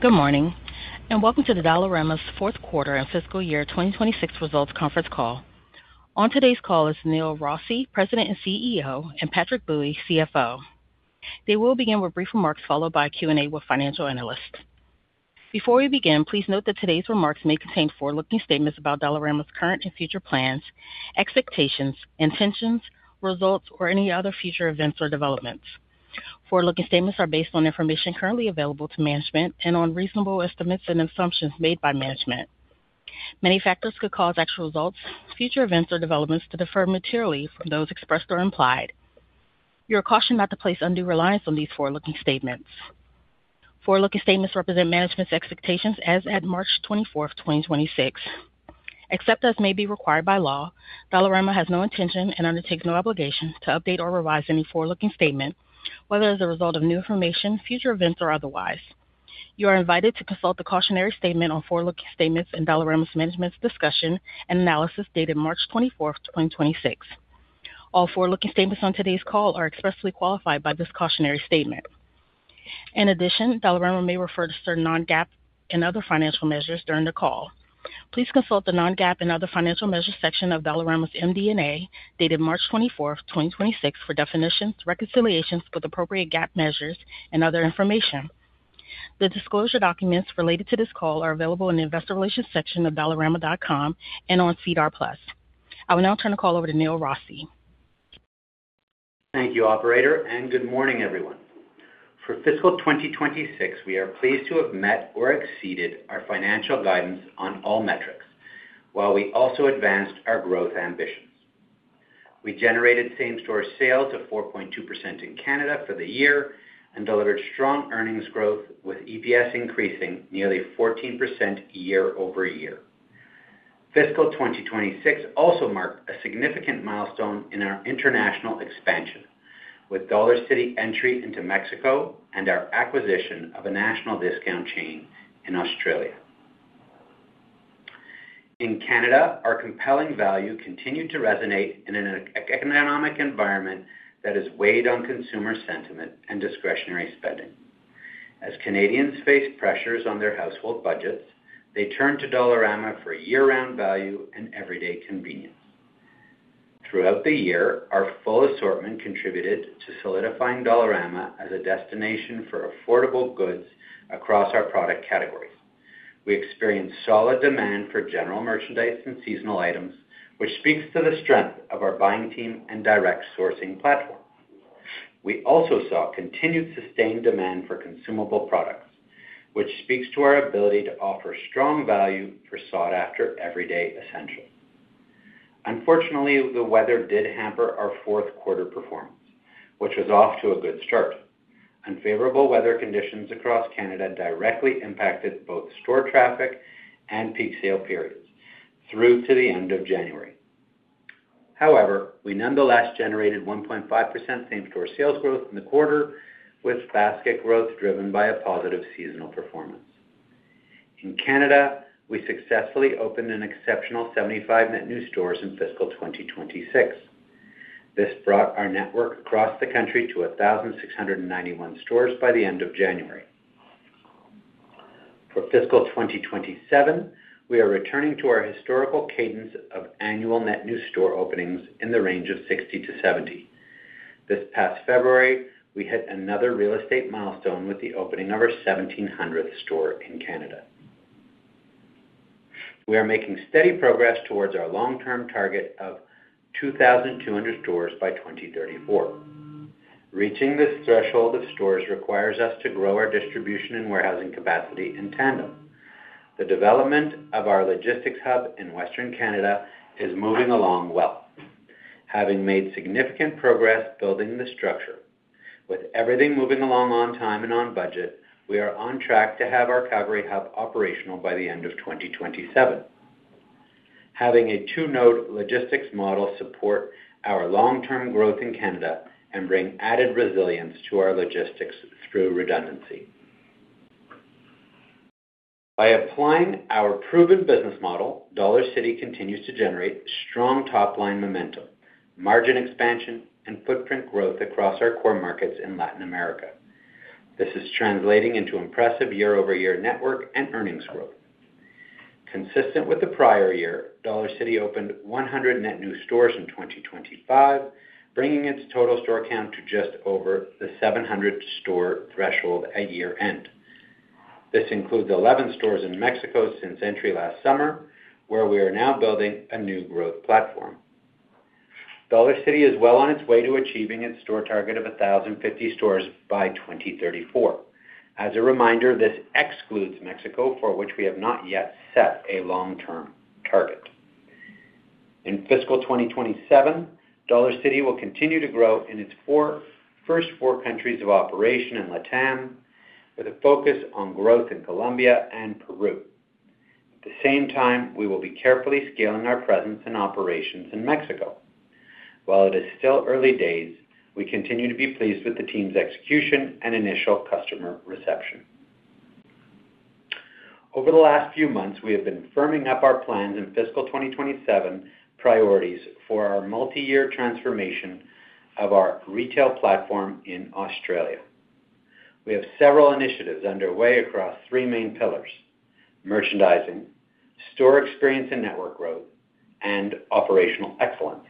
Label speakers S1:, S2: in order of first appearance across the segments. S1: Good morning, and welcome to Dollarama's Fourth Quarter and Fiscal Year 2026 Results Conference Call. On today's call is Neil Rossy, President and CEO, and Patrick Bui, CFO. They will begin with brief remarks followed by Q&A with Financial Analysts. Before we begin, please note that today's remarks may contain forward-looking statements about Dollarama's current and future plans, expectations, intentions, results, or any other future events or developments. Forward-looking statements are based on information currently available to management and on reasonable estimates and assumptions made by management. Many factors could cause actual results, future events, or developments to differ materially from those expressed or implied. You are cautioned not to place undue reliance on these forward-looking statements. Forward-looking statements represent management's expectations as at March 24th, 2026. Except as may be required by law, Dollarama has no intention and undertakes no obligation to update or revise any forward-looking statement, whether as a result of new information, future events, or otherwise. You are invited to consult the cautionary statement on forward-looking statements in Dollarama's management's discussion and analysis dated March 24th, 2026. All forward-looking statements on today's call are expressly qualified by this cautionary statement. In addition, Dollarama may refer to certain non-GAAP and other financial measures during the call. Please consult the non-GAAP and other financial measures section of Dollarama's MD&A dated March 24th, 2026 for definitions, reconciliations with appropriate GAAP measures and other information. The disclosure documents related to this call are available in the investor relations section of dollarama.com and on SEDAR+. I will now turn the call over to Neil Rossy.
S2: Thank you, operator, and good morning, everyone. For fiscal 2026, we are pleased to have met or exceeded our financial guidance on all metrics while we also advanced our growth ambitions. We generated same-store sales of 4.2% in Canada for the year and delivered strong earnings growth with EPS increasing nearly 14% year-over-year. Fiscal 2026 also marked a significant milestone in our international expansion with Dollarcity entry into Mexico and our acquisition of a national discount chain in Australia. In Canada, our compelling value continued to resonate in an economic environment that has weighed on consumer sentiment and discretionary spending. As Canadians face pressures on their household budgets, they turn to Dollarama for year-round value and everyday convenience. Throughout the year, our full assortment contributed to solidifying Dollarama as a destination for affordable goods across our product categories. We experienced solid demand for general merchandise and seasonal items, which speaks to the strength of our buying team and direct sourcing platform. We also saw continued sustained demand for consumable products, which speaks to our ability to offer strong value for sought-after everyday essentials. Unfortunately, the weather did hamper our fourth quarter performance, which was off to a good start. Unfavorable weather conditions across Canada directly impacted both store traffic and peak sale periods through to the end of January. However, we nonetheless generated 1.5% same-store sales growth in the quarter, with basket growth driven by a positive seasonal performance. In Canada, we successfully opened an exceptional 75 net new stores in fiscal 2026. This brought our network across the country to 1,691 stores by the end of January. For fiscal 2027, we are returning to our historical cadence of annual net new store openings in the range of 60-70. This past February, we hit another real estate milestone with the opening of our 1,700th store in Canada. We are making steady progress towards our long-term target of 2,200 stores by 2034. Reaching this threshold of stores requires us to grow our distribution and warehousing capacity in tandem. The development of our logistics hub in Western Canada is moving along well, having made significant progress building the structure. With everything moving along on time and on budget, we are on track to have our Calgary hub operational by the end of 2027. Having a two-node logistics model support our long-term growth in Canada and bring added resilience to our logistics through redundancy. By applying our proven business model, Dollarcity continues to generate strong top-line momentum, margin expansion, and footprint growth across our core markets in Latin America. This is translating into impressive year-over-year network and earnings growth. Consistent with the prior year, Dollarcity opened 100 net new stores in 2025, bringing its total store count to just over the 700-store threshold at year-end. This includes 11 stores in Mexico since entry last summer, where we are now building a new growth platform. Dollarcity is well on its way to achieving its store target of 1,050 stores by 2034. As a reminder, this excludes Mexico, for which we have not yet set a long-term target. In fiscal 2027, Dollarcity will continue to grow in its first four countries of operation in LATAM with a focus on growth in Colombia and Peru. At the same time, we will be carefully scaling our presence and operations in Mexico. While it is still early days, we continue to be pleased with the team's execution and initial customer reception. Over the last few months, we have been firming up our plans in fiscal 2027 priorities for our multi-year transformation of our retail platform in Australia. We have several initiatives underway across three main pillars, merchandising, store experience and network growth, and operational excellence.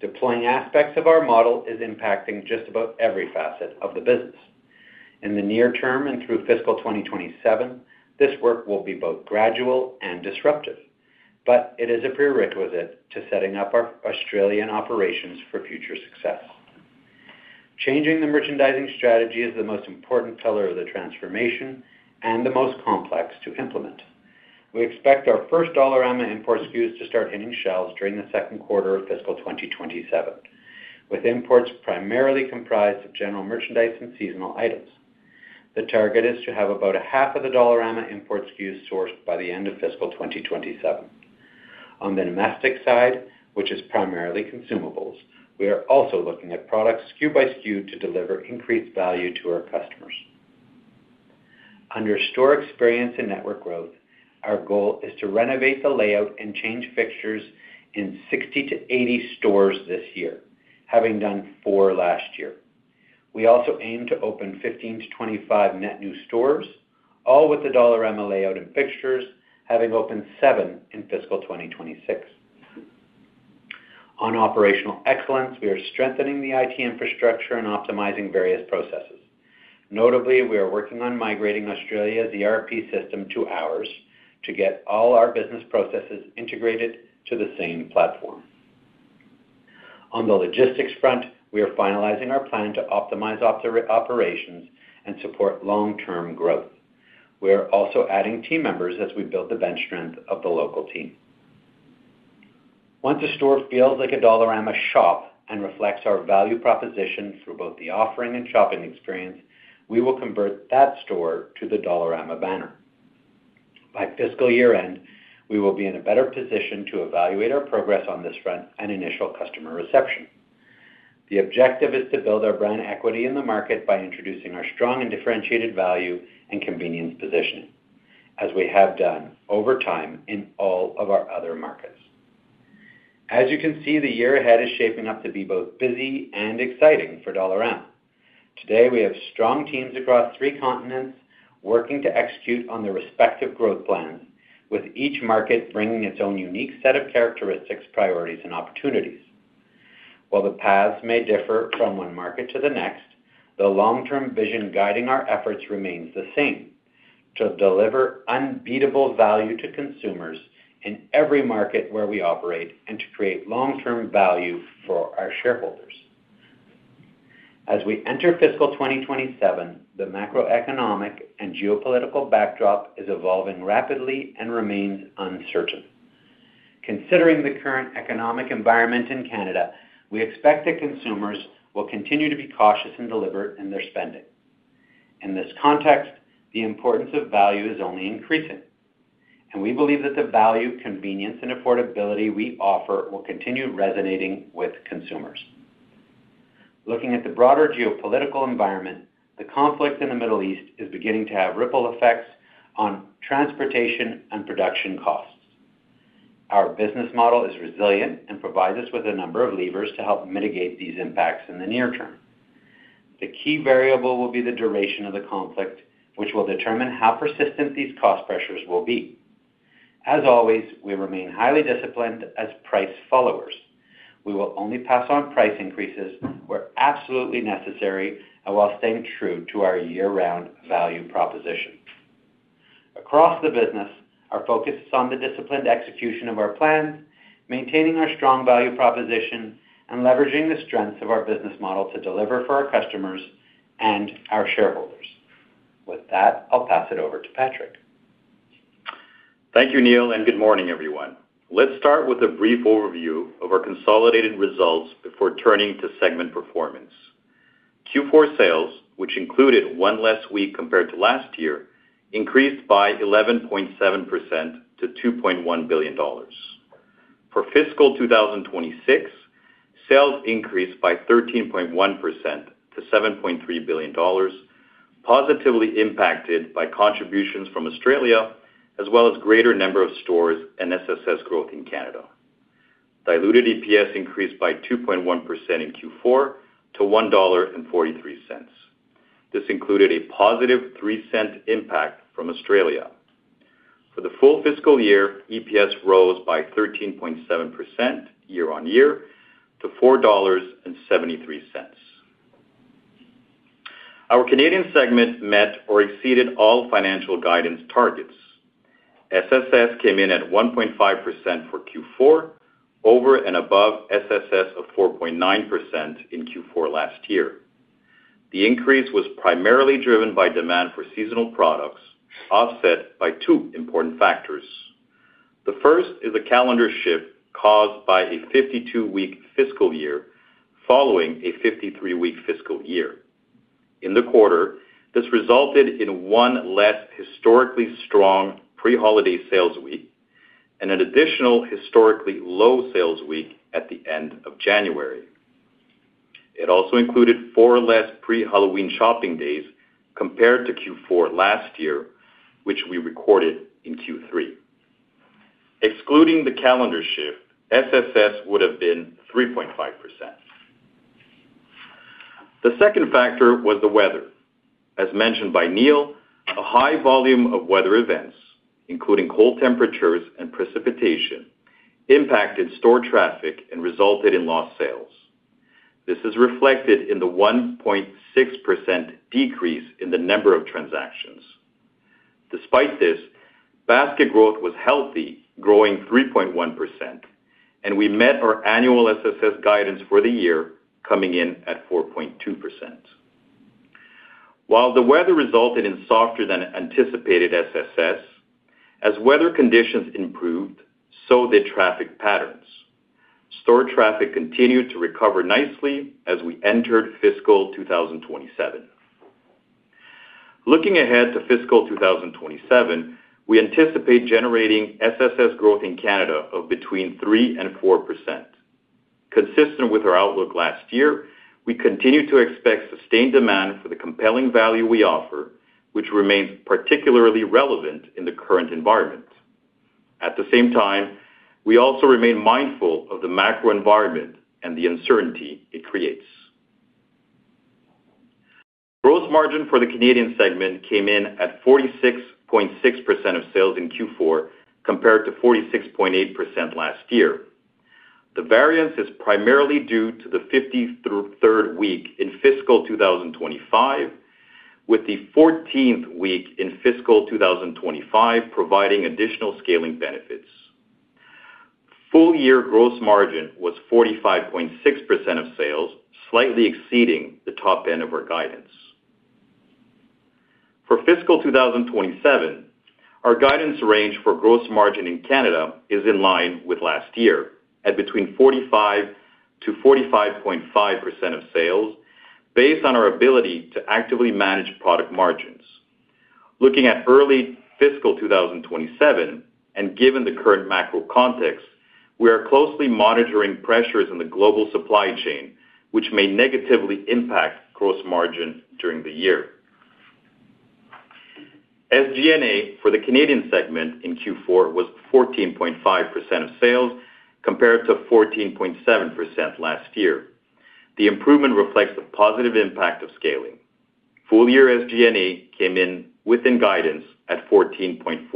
S2: Deploying aspects of our model is impacting just about every facet of the business. In the near term and through fiscal 2027, this work will be both gradual and disruptive, but it is a prerequisite to setting up our Australian operations for future success. Changing the merchandising strategy is the most important pillar of the transformation and the most complex to implement. We expect our first Dollarama import SKUs to start hitting shelves during the second quarter of fiscal 2027, with imports primarily comprised of general merchandise and seasonal items. The target is to have about a half of the Dollarama import SKUs sourced by the end of fiscal 2027. On the domestic side, which is primarily consumables, we are also looking at products SKU by SKU to deliver increased value to our customers. Under store experience and network growth, our goal is to renovate the layout and change fixtures in 60-80 stores this year, having done four last year. We also aim to open 15-25 net new stores, all with the Dollarama layout and fixtures, having opened 7 in fiscal 2026. On operational excellence, we are strengthening the IT infrastructure and optimizing various processes. Notably, we are working on migrating Australia's ERP system to ours to get all our business processes integrated to the same platform. On the logistics front, we are finalizing our plan to optimize operations and support long-term growth. We are also adding team members as we build the bench strength of the local team. Once a store feels like a Dollarama shop and reflects our value proposition through both the offering and shopping experience, we will convert that store to the Dollarama banner. By fiscal year-end, we will be in a better position to evaluate our progress on this front and initial customer reception. The objective is to build our brand equity in the market by introducing our strong and differentiated value and convenience positioning, as we have done over time in all of our other markets. As you can see, the year ahead is shaping up to be both busy and exciting for Dollarama. Today, we have strong teams across three continents working to execute on their respective growth plans, with each market bringing its own unique set of characteristics, priorities, and opportunities. While the paths may differ from one market to the next, the long-term vision guiding our efforts remains the same, to deliver unbeatable value to consumers in every market where we operate and to create long-term value for our shareholders. As we enter fiscal 2027, the macroeconomic and geopolitical backdrop is evolving rapidly and remains uncertain. Considering the current economic environment in Canada, we expect that consumers will continue to be cautious and deliberate in their spending. In this context, the importance of value is only increasing, and we believe that the value, convenience, and affordability we offer will continue resonating with consumers. Looking at the broader geopolitical environment, the conflict in the Middle East is beginning to have ripple effects on transportation and production costs. Our business model is resilient and provides us with a number of levers to help mitigate these impacts in the near term. The key variable will be the duration of the conflict, which will determine how persistent these cost pressures will be. As always, we remain highly disciplined as price followers. We will only pass on price increases where absolutely necessary and while staying true to our year-round value proposition. Across the business, our focus is on the disciplined execution of our plans, maintaining our strong value proposition, and leveraging the strengths of our business model to deliver for our customers and our shareholders. With that, I'll pass it over to Patrick.
S3: Thank you, Neil, and good morning, everyone. Let's start with a brief overview of our consolidated results before turning to segment performance. Q4 sales, which included one less week compared to last year, increased by 11.7% to 2.1 billion dollars. For fiscal 2026, sales increased by 13.1% to 7.3 billion dollars, positively impacted by contributions from Australia as well as greater number of stores and SSS growth in Canada. Diluted EPS increased by 2.1% in Q4 to 1.43 dollar. This included a positive 0.03 impact from Australia. For the full fiscal year, EPS rose by 13.7% year-on-year to 4.73 dollars. Our Canadian segment met or exceeded all financial guidance targets. SSS came in at 1.5% for Q4, over and above SSS of 4.9% in Q4 last year. The increase was primarily driven by demand for seasonal products, offset by two important factors. The first is a calendar shift caused by a 52-week fiscal year following a 53-week fiscal year. In the quarter, this resulted in one less historically strong pre-holiday sales week and an additional historically low sales week at the end of January. It also included four less pre-Halloween shopping days compared to Q4 last year, which we recorded in Q3. Excluding the calendar shift, SSS would have been 3.5%. The second factor was the weather. As mentioned by Neil, a high volume of weather events, including cold temperatures and precipitation, impacted store traffic and resulted in lost sales. This is reflected in the 1.6% decrease in the number of transactions. Despite this, basket growth was healthy, growing 3.1%, and we met our annual SSS guidance for the year, coming in at 4.2%. While the weather resulted in softer-than-anticipated SSS, as weather conditions improved, so did traffic patterns. Store traffic continued to recover nicely as we entered fiscal 2027. Looking ahead to fiscal 2027, we anticipate generating SSS growth in Canada of between 3% and 4%. Consistent with our outlook last year, we continue to expect sustained demand for the compelling value we offer, which remains particularly relevant in the current environment. At the same time, we also remain mindful of the macro environment and the uncertainty it creates. Gross margin for the Canadian segment came in at 46.6% of sales in Q4 compared to 46.8% last year. The variance is primarily due to the 53rd week in fiscal 2025, with the 14th week in fiscal 2025 providing additional scaling benefits. Full-year gross margin was 45.6% of sales, slightly exceeding the top end of our guidance. For fiscal 2027, our guidance range for gross margin in Canada is in line with last year at between 45%-45.5% of sales based on our ability to actively manage product margins. Looking at early fiscal 2027, and given the current macro context, we are closely monitoring pressures in the global supply chain, which may negatively impact gross margin during the year. SG&A for the Canadian segment in Q4 was 14.5% of sales compared to 14.7% last year. The improvement reflects the positive impact of scaling. Full-year SG&A came in within guidance at 14.4%.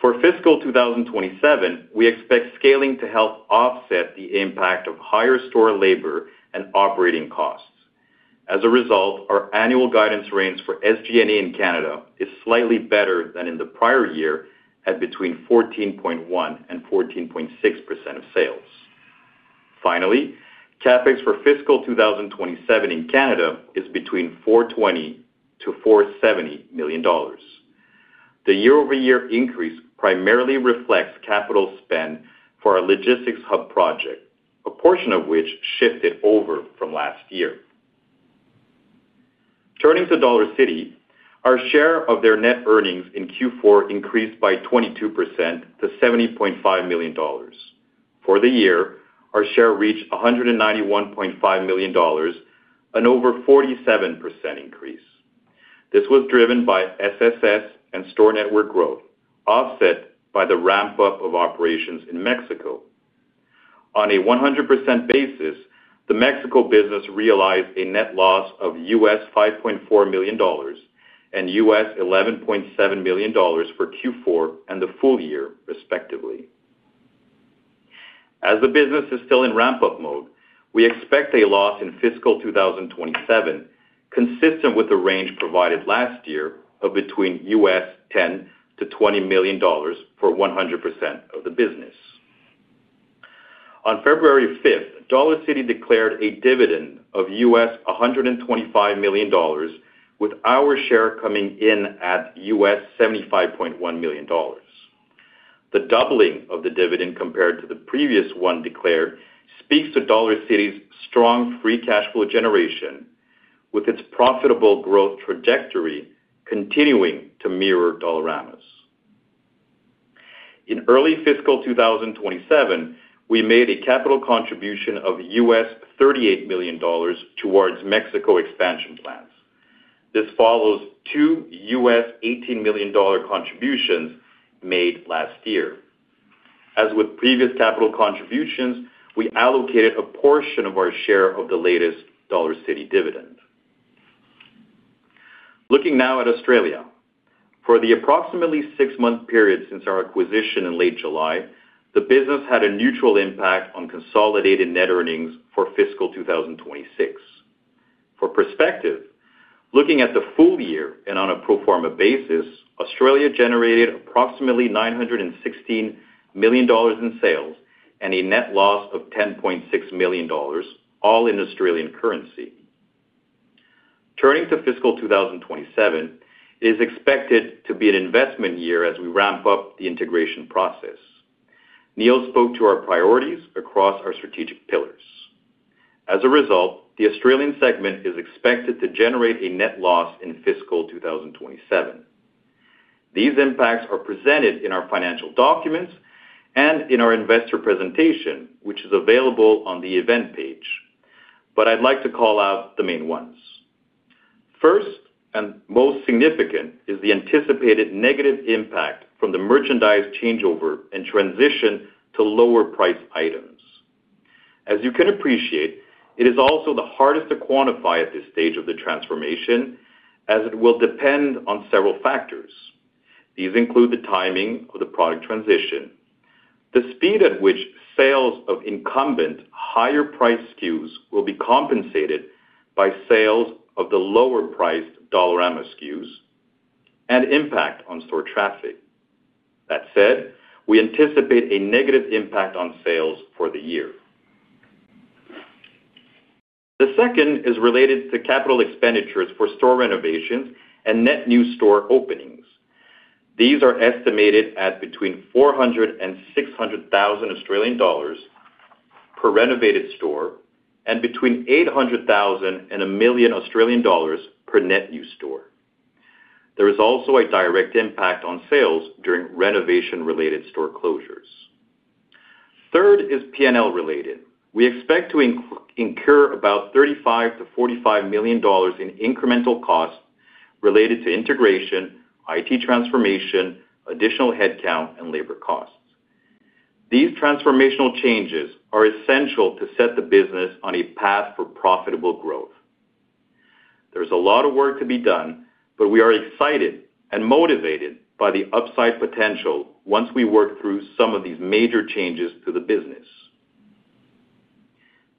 S3: For fiscal 2027, we expect scaling to help offset the impact of higher store labor and operating costs. As a result, our annual guidance range for SG&A in Canada is slightly better than in the prior year at between 14.1% and 14.6% of sales. Finally, CapEx for fiscal 2027 in Canada is between 420 million-470 million dollars. The year-over-year increase primarily reflects capital spend for our logistics hub project, a portion of which shifted over from last year. Turning to Dollarcity, our share of their net earnings in Q4 increased by 22% to 70.5 million dollars. For the year, our share reached 191.5 million dollars, an over 47% increase. This was driven by SSS and store network growth, offset by the ramp-up of operations in Mexico. On a 100% basis, the Mexico business realized a net loss of $5.4 million and $11.7 million for Q4 and the full year, respectively. As the business is still in ramp-up mode, we expect a loss in fiscal 2027 consistent with the range provided last year of between $10 million-$20 million for 100% of the business. On February 5th, Dollarcity declared a dividend of $125 million, with our share coming in at $75.1 million. The doubling of the dividend compared to the previous one declared speaks to Dollarcity's strong free cash flow generation, with its profitable growth trajectory continuing to mirror Dollarama's. In early fiscal 2027, we made a capital contribution of $38 million towards Mexico expansion plans. This follows two $18 million contributions made last year. As with previous capital contributions, we allocated a portion of our share of the latest Dollarcity dividend. Looking now at Australia. For the approximately 6-month period since our acquisition in late July, the business had a neutral impact on consolidated net earnings for fiscal 2026. For perspective, looking at the full year and on a pro forma basis, Australia generated approximately 916 million dollars in sales and a net loss of 10.6 million dollars, all in Australian currency. Turning to fiscal 2027, it is expected to be an investment year as we ramp up the integration process. Neil spoke to our priorities across our strategic pillars. As a result, the Australian segment is expected to generate a net loss in fiscal 2027. These impacts are presented in our financial documents and in our investor presentation, which is available on the event page. I'd like to call out the main ones. First, and most significant, is the anticipated negative impact from the merchandise changeover and transition to lower-priced items. As you can appreciate, it is also the hardest to quantify at this stage of the transformation as it will depend on several factors. These include the timing of the product transition, the speed at which sales of incumbent higher-priced SKUs will be compensated by sales of the lower-priced Dollarama SKUs, and impact on store traffic. That said, we anticipate a negative impact on sales for the year. The second is related to capital expenditures for store renovations and net new store openings. These are estimated at between 400,000 and 600,000 Australian dollars per renovated store and between 800,000 and 1 million Australian dollars per net new store. There is also a direct impact on sales during renovation-related store closures. Third is P&L related. We expect to incur about 35 million-45 million dollars in incremental costs related to integration, IT transformation, additional headcount, and labor costs. These transformational changes are essential to set the business on a path for profitable growth. There's a lot of work to be done, but we are excited and motivated by the upside potential once we work through some of these major changes to the business.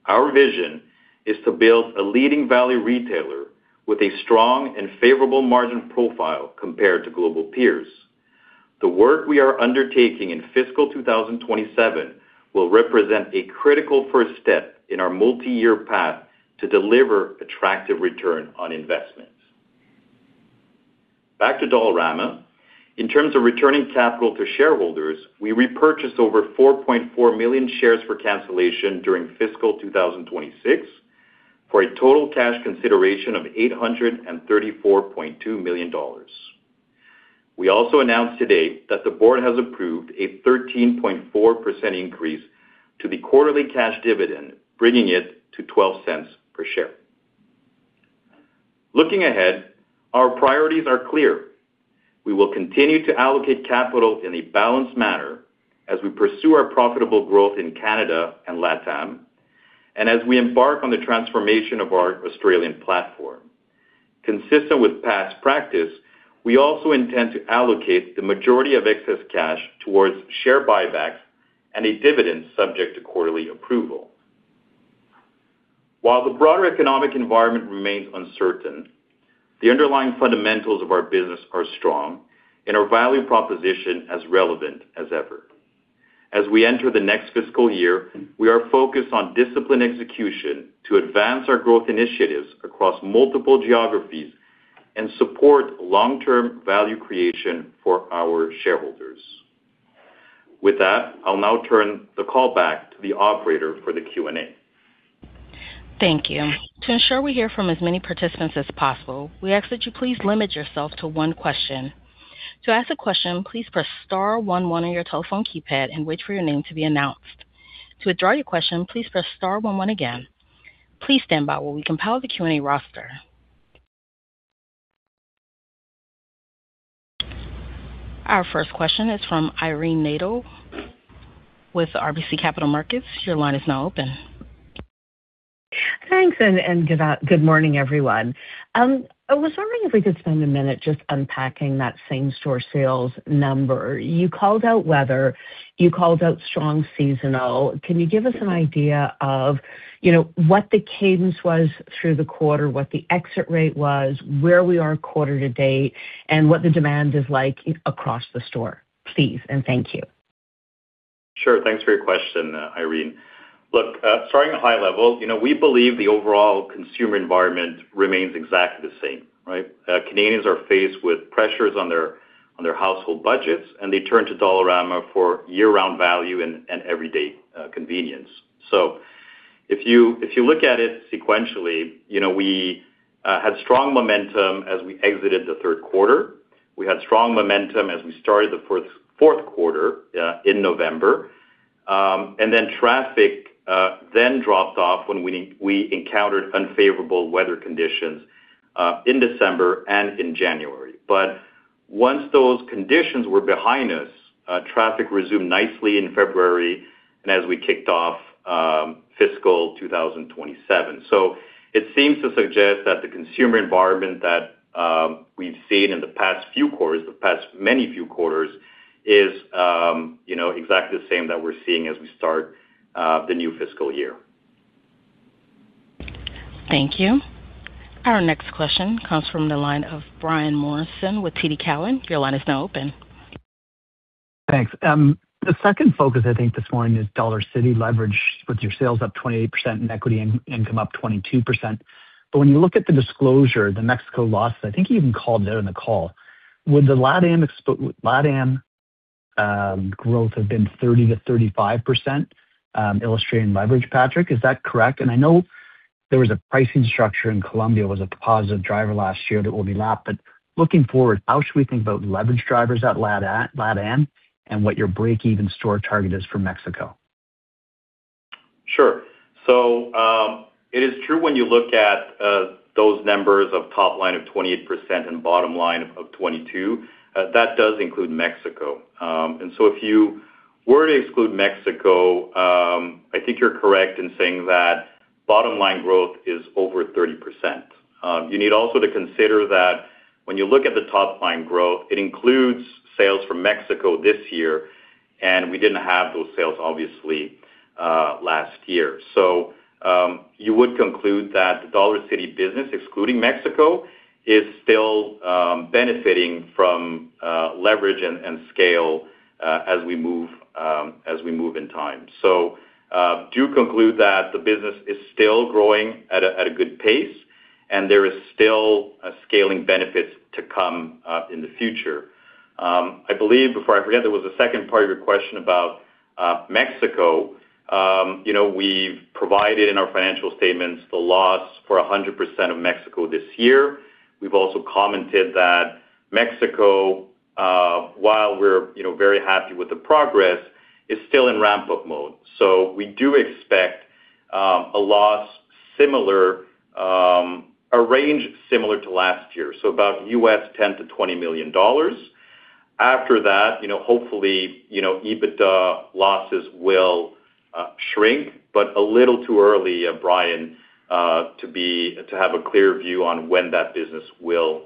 S3: Our vision is to build a leading value retailer with a strong and favorable margin profile compared to global peers. The work we are undertaking in fiscal 2027 will represent a critical first step in our multiyear path to deliver attractive return on investments. Back to Dollarama. In terms of returning capital to shareholders, we repurchased over 4.4 million shares for cancellation during fiscal 2026, for a total cash consideration of 834.2 million dollars. We also announced today that the board has approved a 13.4% increase to the quarterly cash dividend, bringing it to 0.12 per share. Looking ahead, our priorities are clear. We will continue to allocate capital in a balanced manner as we pursue our profitable growth in Canada and LatAm, and as we embark on the transformation of our Australian platform. Consistent with past practice, we also intend to allocate the majority of excess cash towards share buybacks and a dividend subject to quarterly approval. While the broader economic environment remains uncertain, the underlying fundamentals of our business are strong and our value proposition as relevant as ever. As we enter the next fiscal year, we are focused on disciplined execution to advance our growth initiatives across multiple geographies and support long-term value creation for our shareholders. With that, I'll now turn the call back to the operator for the Q&A.
S1: Thank you. To ensure we hear from as many participants as possible, we ask that you please limit yourself to one question. To ask a question, please press star one one on your telephone keypad and wait for your name to be announced. To withdraw your question, please press star one one again. Please stand by while we compile the Q&A roster. Our first question is from Irene Nattel with RBC Capital Markets. Your line is now open.
S4: Thanks, and good morning, everyone. I was wondering if we could spend a minute just unpacking that same-store sales number. You called out weather. You called out strong seasonal. Can you give us an idea of, you know, what the cadence was through the quarter, what the exit rate was, where we are quarter to date, and what the demand is like across the store, please, and thank you.
S3: Sure. Thanks for your question, Irene. Look, starting at high level, you know, we believe the overall consumer environment remains exactly the same, right? Canadians are faced with pressures on their household budgets, and they turn to Dollarama for year-round value and everyday convenience. If you look at it sequentially, you know, we had strong momentum as we exited the third quarter. We had strong momentum as we started the fourth quarter in November. Traffic dropped off when we encountered unfavorable weather conditions in December and in January. Once those conditions were behind us, traffic resumed nicely in February and as we kicked off fiscal 2027. It seems to suggest that the consumer environment that we've seen in the past few quarters, the past many few quarters is, you know, exactly the same that we're seeing as we start the new fiscal year.
S1: Thank you. Our next question comes from the line of Brian Morrison with TD Cowen. Your line is now open.
S5: Thanks. The second focus I think this morning is Dollarcity leverage, with your sales up 28% and equity income up 22%. When you look at the disclosure, the Mexico losses, I think you even called it out in the call. Would the LatAm Growth have been 30%-35%, illustrating leverage, Patrick, is that correct? I know there was a pricing structure in Colombia was a positive driver last year that will be lapped. Looking forward, how should we think about leverage drivers at LatAm and what your break-even store target is for Mexico?
S3: Sure. It is true when you look at those numbers of top line of 28% and bottom line of 22%, that does include Mexico. If you were to exclude Mexico, I think you're correct in saying that bottom line growth is over 30%. You need also to consider that when you look at the top line growth, it includes sales from Mexico this year, and we didn't have those sales obviously last year. You would conclude that the Dollarcity business, excluding Mexico, is still benefiting from leverage and scale as we move in time. Do conclude that the business is still growing at a good pace and there is still a scaling benefits to come in the future. I believe, before I forget, there was a second part of your question about Mexico. You know, we've provided in our financial statements the loss for 100% of Mexico this year. We've also commented that Mexico, while we're, you know, very happy with the progress, is still in ramp-up mode. We do expect a loss similar, a range similar to last year, so about $10 million-$20 million. After that, you know, hopefully, you know, EBITDA losses will shrink. A little too early, Brian, to have a clear view on when that business will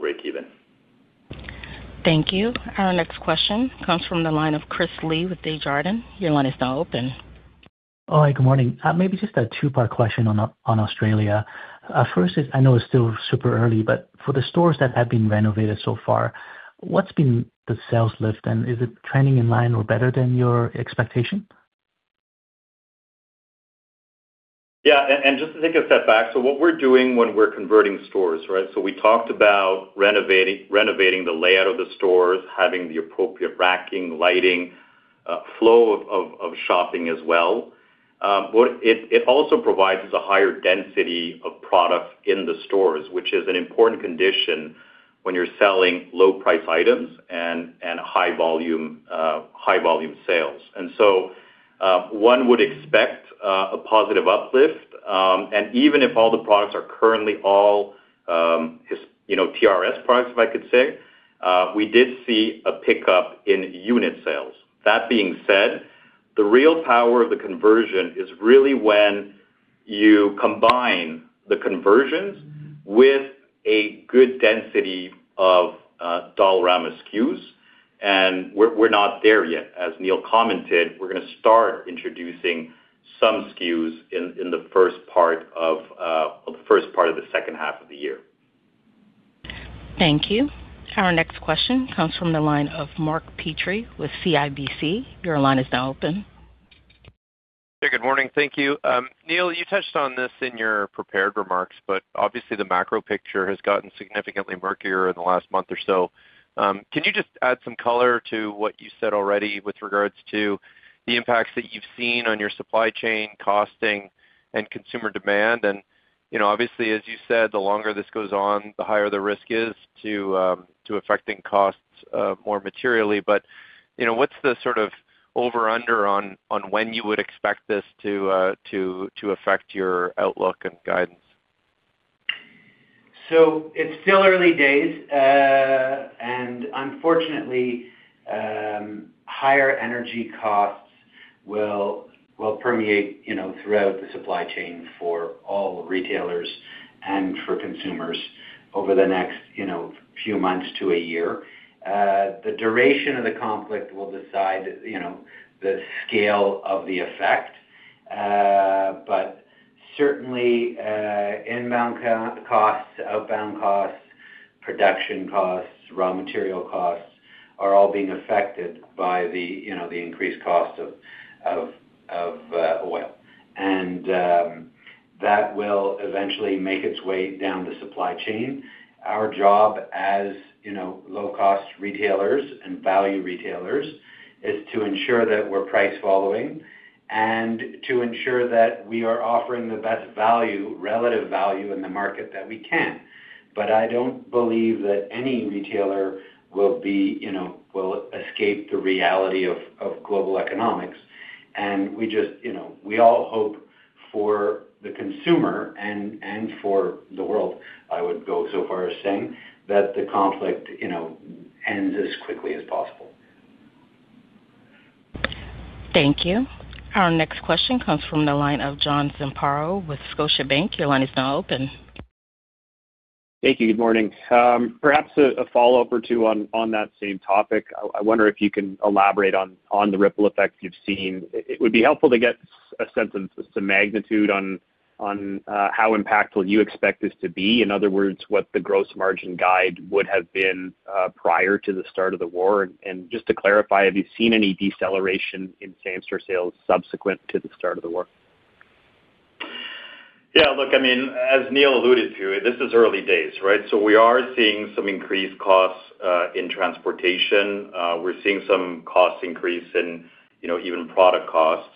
S3: break even.
S1: Thank you. Our next question comes from the line of Chris Li with Desjardins. Your line is now open.
S6: All right, good morning. Maybe just a two-part question on Australia. First, I know it's still super early, but for the stores that have been renovated so far, what's been the sales lift, and is it trending in line or better than your expectation?
S3: Yeah. Just to take a step back, what we're doing when we're converting stores, right? We talked about renovating the layout of the stores, having the appropriate racking, lighting, flow of shopping as well. What it also provides is a higher density of product in the stores, which is an important condition when you're selling low price items and high volume sales. One would expect a positive uplift, and even if all the products are currently TRS products, you know, if I could say, we did see a pickup in unit sales. That being said, the real power of the conversion is really when you combine the conversions with a good density of Dollarama SKUs, and we're not there yet. As Neil commented, we're gonna start introducing some SKUs in the first part of the second half of the year.
S1: Thank you. Our next question comes from the line of Mark Petrie with CIBC. Your line is now open.
S7: Hey, good morning. Thank you. Neil, you touched on this in your prepared remarks, but obviously the macro picture has gotten significantly murkier in the last month or so. Can you just add some color to what you said already with regards to the impacts that you've seen on your supply chain costing and consumer demand? You know, obviously, as you said, the longer this goes on, the higher the risk is to affecting costs more materially. You know, what's the sort of over-under on when you would expect this to affect your outlook and guidance?
S2: It's still early days. Unfortunately, higher energy costs will permeate, you know, throughout the supply chain for all retailers and for consumers over the next, you know, few months to a year. The duration of the conflict will decide, you know, the scale of the effect. Certainly, inbound costs, outbound costs, production costs, raw material costs are all being affected by the increased cost of oil. That will eventually make its way down the supply chain. Our job as, you know, low-cost retailers and value retailers is to ensure that we're price following and to ensure that we are offering the best value, relative value in the market that we can. I don't believe that any retailer will escape the reality of global economics. We just, you know, we all hope for the consumer and for the world. I would go so far as saying that the conflict, you know, ends as quickly as possible.
S1: Thank you. Our next question comes from the line of John Zamparo with Scotiabank. Your line is now open.
S8: Thank you. Good morning. Perhaps a follow-up or two on that same topic. I wonder if you can elaborate on the ripple effect you've seen. It would be helpful to get a sense of some magnitude on how impactful you expect this to be. In other words, what the gross margin guide would have been prior to the start of the war. Just to clarify, have you seen any deceleration in same store sales subsequent to the start of the war?
S3: Yeah. Look, I mean, as Neil alluded to, this is early days, right? We are seeing some increased costs in transportation. We're seeing some cost increase in, you know, even product costs.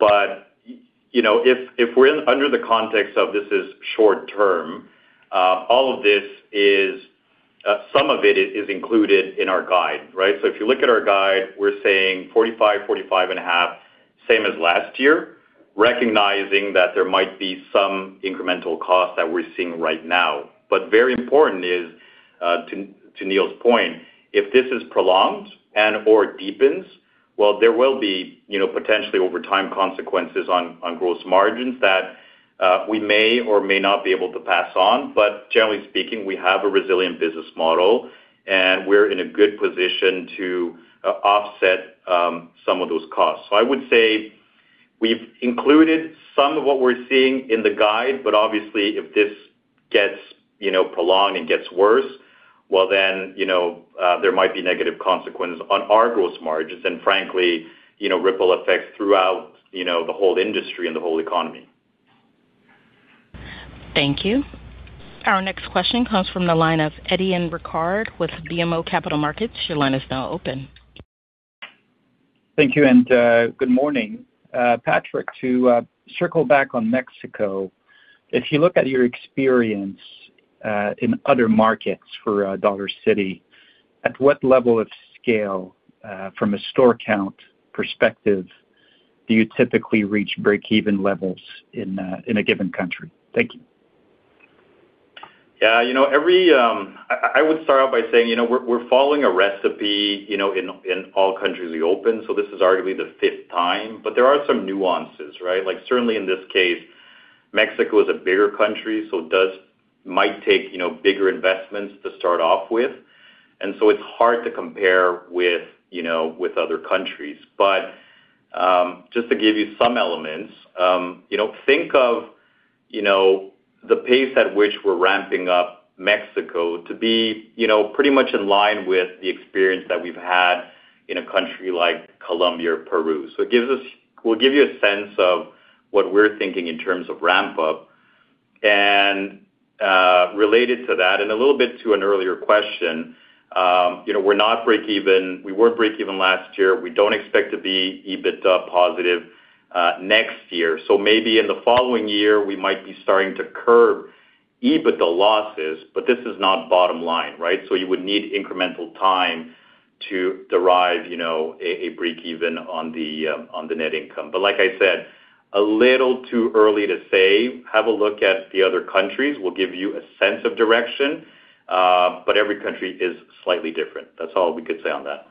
S3: But, you know, if we're in the context of this is short term, all of this is, some of it is included in our guide, right? So if you look at our guide, we're saying 45%-45.5%, same as last year, recognizing that there might be some incremental costs that we're seeing right now. But very important is, to Neil's point, if this is prolonged and/or deepens, well, there will be, you know, potentially over time consequences on gross margins that we may or may not be able to pass on. Generally speaking, we have a resilient business model, and we're in a good position to offset some of those costs. I would say we've included some of what we're seeing in the guide, but obviously if this gets, you know, prolonged and gets worse, well, then, you know, there might be negative consequences on our gross margins and frankly, you know, ripple effects throughout, you know, the whole industry and the whole economy.
S1: Thank you. Our next question comes from the line of Étienne Ricard with BMO Capital Markets. Your line is now open.
S9: Thank you and good morning. Patrick, to circle back on Mexico, if you look at your experience in other markets for Dollarcity, at what level of scale from a store count perspective do you typically reach break-even levels in a given country? Thank you.
S3: Yeah. You know, I would start off by saying, you know, we're following a recipe, you know, in all countries we open, so this is arguably the fifth time, but there are some nuances, right? Like certainly in this case, Mexico is a bigger country, so it might take, you know, bigger investments to start off with. It's hard to compare with, you know, with other countries. Just to give you some elements, you know, think of, you know, the pace at which we're ramping up Mexico to be, you know, pretty much in line with the experience that we've had in a country like Colombia or Peru. We'll give you a sense of what we're thinking in terms of ramp up. Related to that and a little bit to an earlier question, you know, we're not breaking even. We weren't breaking even last year. We don't expect to be EBITDA positive next year. Maybe in the following year we might be starting to curb EBITDA losses, but this is not bottom line, right? You would need incremental time to derive, you know, a break-even on the net income. Like I said, a little too early to say. Have a look at the other countries. We'll give you a sense of direction, but every country is slightly different. That's all we could say on that.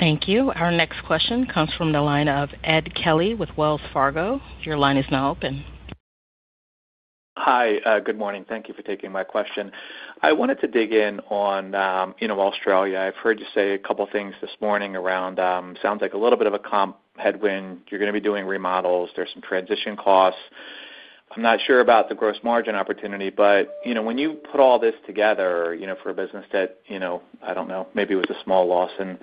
S1: Thank you. Our next question comes from the line of Ed Kelly with Wells Fargo. Your line is now open.
S10: Hi. Good morning. Thank you for taking my question. I wanted to dig in on, you know, Australia. I've heard you say a couple things this morning around, sounds like a little bit of a comp headwind. You're gonna be doing remodels. There's some transition costs. I'm not sure about the gross margin opportunity. But, you know, when you put all this together, you know, for a business that, you know, I don't know, maybe it was a small loss in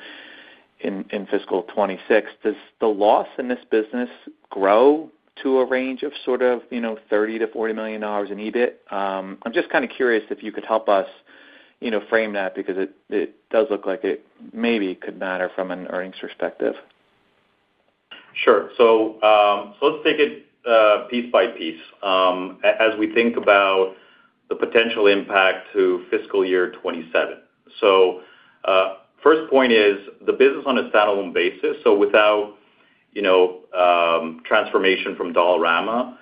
S10: fiscal 2026, does the loss in this business grow to a range of sort of, you know, 30 million-40 million dollars in EBIT? I'm just kinda curious if you could help us, you know, frame that because it does look like it maybe could matter from an earnings perspective.
S3: Sure. Let's take it piece by piece as we think about the potential impact to fiscal year 2027. First point is the business on a standalone basis, without transformation from Dollarama.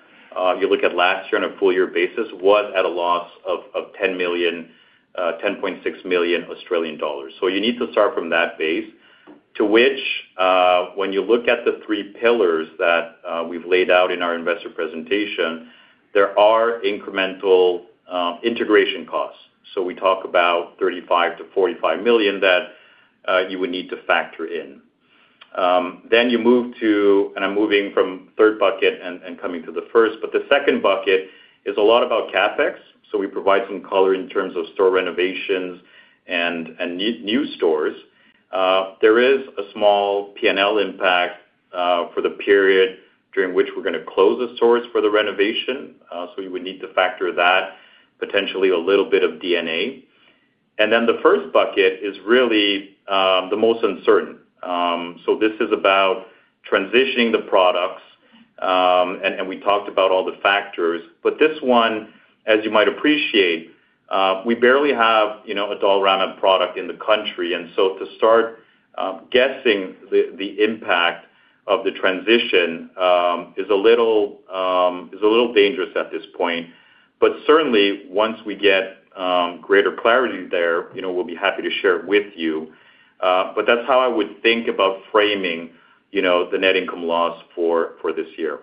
S3: You look at last year on a full year basis was at a loss of 10.6 million Australian dollars. You need to start from that base to which when you look at the three pillars that we've laid out in our investor presentation, there are incremental integration costs. We talk about 35 million-45 million that you would need to factor in. You move to, and I'm moving from third bucket and coming to the first, but the second bucket is a lot about CapEx. We provide some color in terms of store renovations and new stores. There is a small P&L impact for the period during which we're gonna close the stores for the renovation, so we would need to factor that, potentially a little bit of D&A. The first bucket is really the most uncertain. This is about transitioning the products, and we talked about all the factors. This one, as you might appreciate, we barely have, you know, a Dollarama product in the country. To start, guessing the impact of the transition is a little dangerous at this point. Certainly once we get greater clarity there, you know, we'll be happy to share it with you. That's how I would think about framing, you know, the net income loss for this year.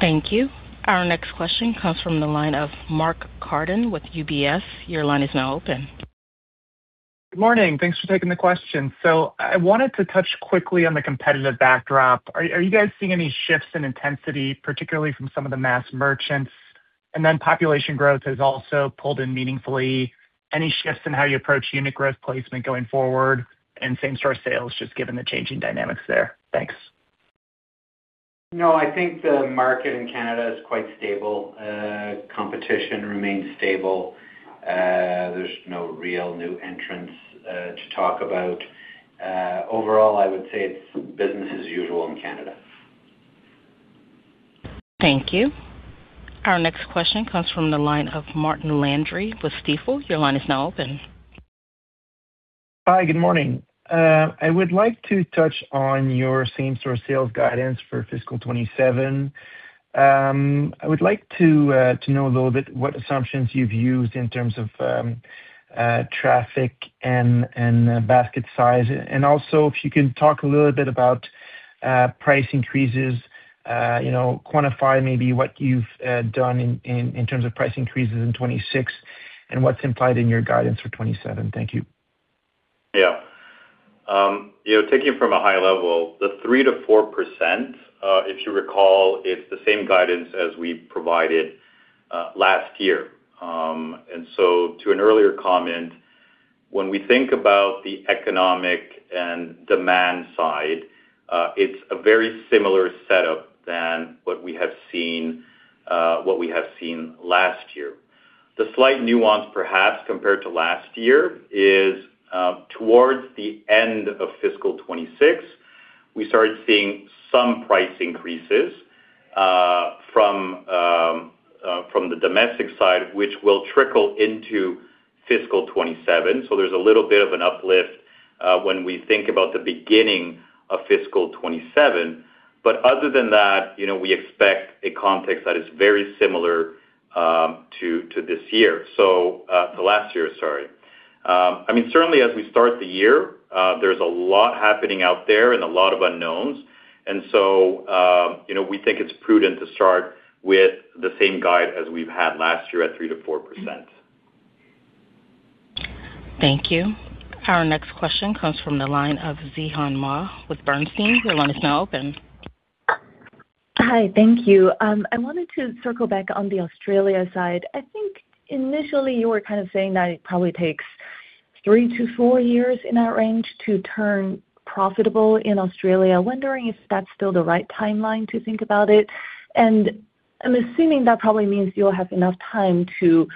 S1: Thank you. Our next question comes from the line of Mark Carden with UBS. Your line is now open.
S11: Good morning. Thanks for taking the question. I wanted to touch quickly on the competitive backdrop. Are you guys seeing any shifts in intensity, particularly from some of the mass merchants? Population growth has also pulled in meaningfully. Any shifts in how you approach unit growth placement going forward and same-store sales just given the changing dynamics there? Thanks.
S3: No, I think the market in Canada is quite stable. Competition remains stable. There's no real new entrants to talk about. Overall, I would say it's business as usual in Canada.
S1: Thank you. Our next question comes from the line of Martin Landry with Stifel. Your line is now open.
S12: Hi, good morning. I would like to touch on your same-store sales guidance for fiscal 2027. I would like to know a little bit what assumptions you've used in terms of traffic and basket size. Also, if you can talk a little bit about price increases, you know, quantify maybe what you've done in terms of price increases in 2026 and what's implied in your guidance for 2027. Thank you.
S3: Yeah. You know, taking it from a high level, the 3%-4%, if you recall, is the same guidance as we provided last year. To an earlier comment, when we think about the economic and demand side, it's a very similar setup than what we have seen last year. The slight nuance, perhaps, compared to last year is, towards the end of fiscal 2026, we started seeing some price increases from the domestic side, which will trickle into fiscal 2027. There's a little bit of an uplift when we think about the beginning of fiscal 2027. Other than that, you know, we expect a context that is very similar to last year, sorry. I mean, certainly as we start the year, there's a lot happening out there and a lot of unknowns. You know, we think it's prudent to start with the same guide as we've had last year at 3%-4%.
S1: Thank you. Our next question comes from the line of Zhihan Ma with Bernstein. Your line is now open.
S13: Hi, thank you. I wanted to circle back on the Australia side. I think initially you were kind of saying that it probably takes three-four years in that range to turn profitable in Australia. Wondering if that's still the right timeline to think about it. I'm assuming that probably means you'll have enough time to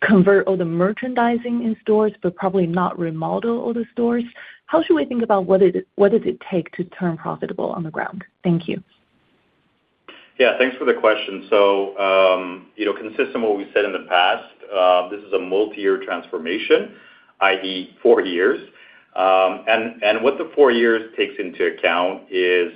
S13: convert all the merchandising in stores, but probably not remodel all the stores. How should we think about what does it take to turn profitable on the ground? Thank you.
S3: Yeah, thanks for the question. Consistent with what we've said in the past, this is a multi-year transformation, i.e., four years. What the four years takes into account is,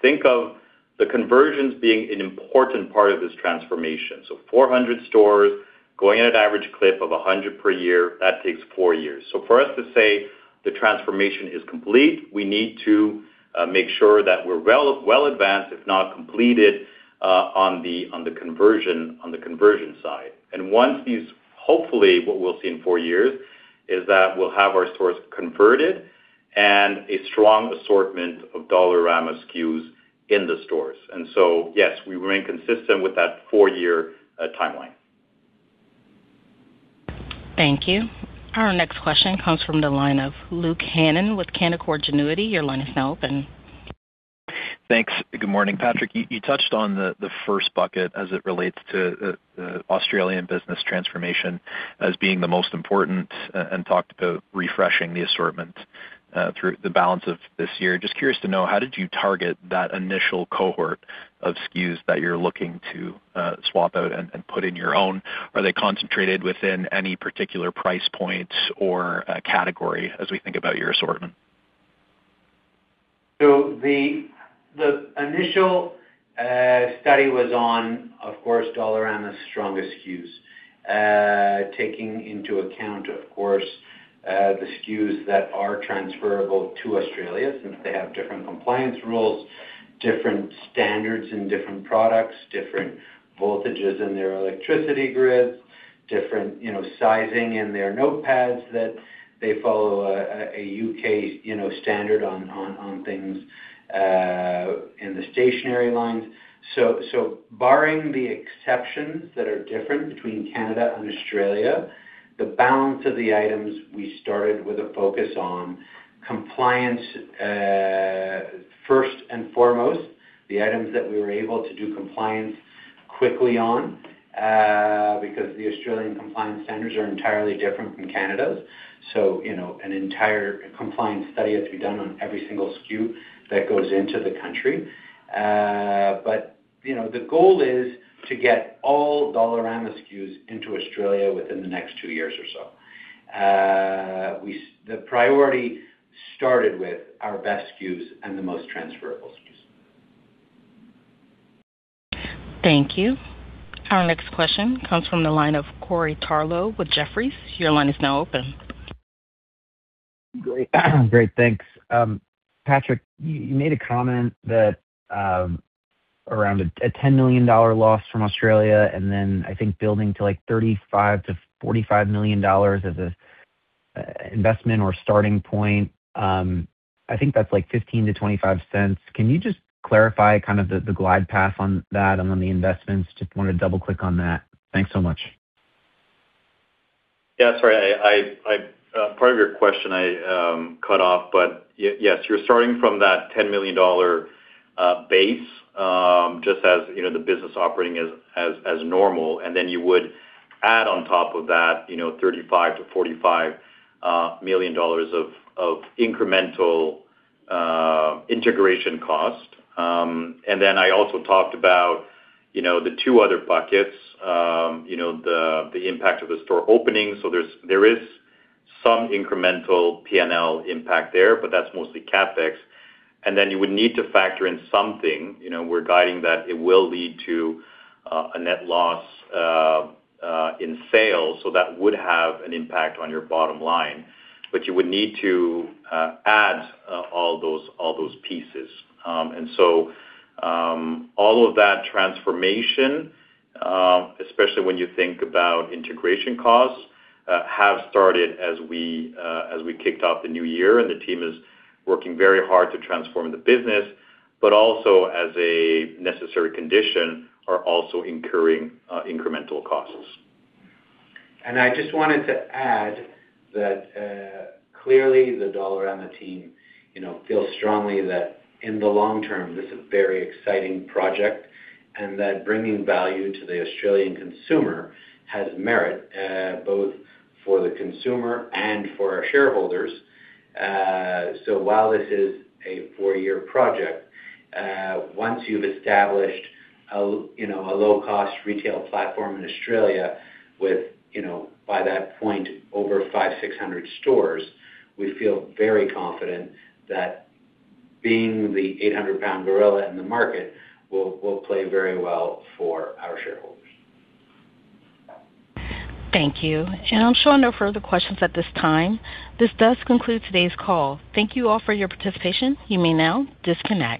S3: think of the conversions being an important part of this transformation. 400 stores going at an average clip of 100 per year, that takes four years. For us to say the transformation is complete, we need to make sure that we're well advanced, if not completed, on the conversion side. Hopefully, what we'll see in four years is that we'll have our stores converted and a strong assortment of Dollarama SKUs in the stores. Yes, we remain consistent with that four-year timeline.
S1: Thank you. Our next question comes from the line of Luke Hannan with Canaccord Genuity. Your line is now open.
S14: Thanks. Good morning, Patrick. You touched on the first bucket as it relates to Australian business transformation as being the most important and talked about refreshing the assortment through the balance of this year. Just curious to know, how did you target that initial cohort of SKUs that you're looking to swap out and put in your own? Are they concentrated within any particular price points or category as we think about your assortment?
S3: The initial study was on, of course, Dollarama's strongest SKUs, taking into account, of course, the SKUs that are transferable to Australia since they have different compliance rules, different standards and different products, different voltages in their electricity grid, different, you know, sizing in their notepads that they follow a U.K., you know, standard on things in the stationery lines. Barring the exceptions that are different between Canada and Australia, the balance of the items we started with a focus on compliance first and foremost, the items that we were able to do compliance quickly on, because the Australian compliance centers are entirely different from Canada's. You know, an entire compliance study has to be done on every single SKU that goes into the country. You know, the goal is to get all Dollarama SKUs into Australia within the next two years or so. The priority started with our best SKUs and the most transferable SKUs.
S1: Thank you. Our next question comes from the line of Corey Tarlowe with Jefferies. Your line is now open.
S15: Great, thanks. Patrick, you made a comment that around a ten million dollar loss from Australia and then I think building to, like, 35 million-45 million dollars as an investment or starting point, I think that's like 0.15-0.25. Can you just clarify the glide path on that and on the investments? Just want to double-click on that. Thanks so much.
S3: Yeah, sorry, part of your question I cut off, but yes, you're starting from that 10 million dollar base, just as, you know, the business operating as normal. Then you would add on top of that, you know, 35 million-45 million dollars of incremental integration cost. Then I also talked about, you know, the two other buckets, you know, the impact of the store openings. There's some incremental P&L impact there, but that's mostly CapEx. Then you would need to factor in something, you know, we're guiding that it will lead to a net loss in sales, so that would have an impact on your bottom line. You would need to add all those pieces. All of that transformation, especially when you think about integration costs, have started as we kicked off the new year, and the team is working very hard to transform the business. As a necessary condition, we are also incurring incremental costs.
S2: I just wanted to add that, clearly the Dollarama team, you know, feels strongly that in the long term, this is a very exciting project, and that bringing value to the Australian consumer has merit, both for the consumer and for our shareholders. While this is a four-year project, once you've established a low-cost retail platform in Australia with, you know, by that point, over 500-600 stores, we feel very confident that being the 800-lbs gorilla in the market will play very well for our shareholders.
S1: Thank you. I'm showing no further questions at this time. This does conclude today's call. Thank you all for your participation. You may now disconnect.